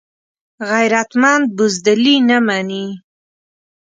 غیرتمند بزدلي نه مني